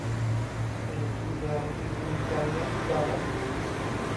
นี่คืองานที่จริงจังนะจอร์จ